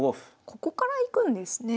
ここからいくんですね。